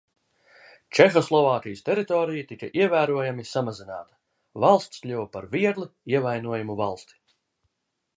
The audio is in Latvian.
Čehoslovākijas teritorija tika ievērojami samazināta: valsts kļuva par viegli ievainojamu valsti.